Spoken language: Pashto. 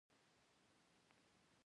پښتو د هر افغان د ویاړ ژبه ده.